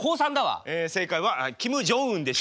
え正解はキム・ジョンウンでした。